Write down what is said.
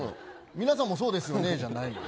皆さんもそうですよねじゃない。